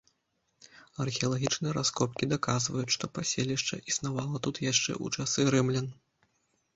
Археалагічныя раскопкі даказваюць, што паселішча існавала тут яшчэ ў часы рымлян.